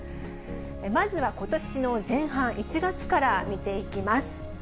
まずはことしの前半、１月から見ていきます。